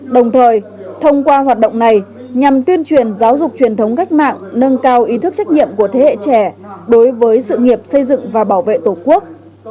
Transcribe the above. đồng thời thông qua hoạt động này nhằm tuyên truyền giáo dục truyền thống cách mạng nâng cao ý thức trách nhiệm của thế hệ trẻ đối với sự nghiệp xây dựng và bảo vệ tổ quốc